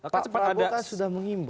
pak prabowo kan sudah mengimbau